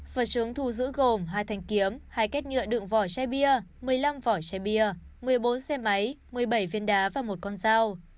phật trướng thù giữ gồm hai thanh kiếm hai két nhựa đựng vỏ chai bia một mươi năm vỏ chai bia một mươi bốn xe máy một mươi bảy viên đá và một con dao